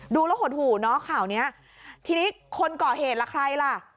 ดูแล้วหดหู่เนอะข่าวเนี้ยทีนี้คนก่อเหตุล่ะใครล่ะ